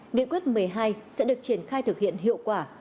nghị quyết một mươi hai sẽ được triển khai thực hiện hiệu quả